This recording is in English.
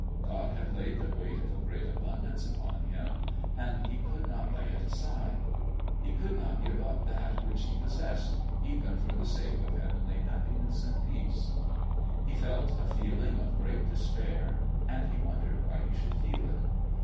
God had laid the weight of a great abundance upon him, and he could not lay it aside. He could not give up that which he possessed, even for the sake of heavenly happiness and peace. He felt a feeling of great despair, and he wondered why he should feel it.